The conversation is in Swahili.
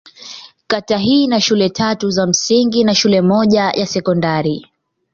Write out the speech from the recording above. Kata hii ina shule tatu za msingi na shule moja ya sekondari.